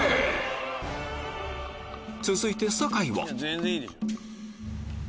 続いて酒井は？